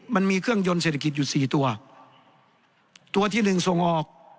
มันมีเครื่องยนต์เศรษฐกิจอยู่สี่ตัวตัวที่หนึ่งส่งออก